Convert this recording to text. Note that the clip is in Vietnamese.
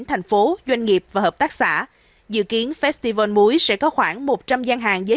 thành phố doanh nghiệp và hợp tác xã dự kiến festival muối sẽ có khoảng một trăm linh gian hàng giới